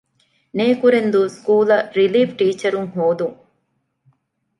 ނޭކުރެންދޫ ސްކޫލަށް ރިލީފް ޓީޗަރުން ހޯދުން